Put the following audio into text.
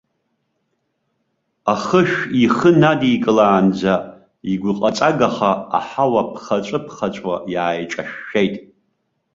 Ахышә ихы надикылаанӡа игәыҟаҵагаха аҳауа ԥхаҵәы-ԥхаҵәуа иааиҿашәшәеит.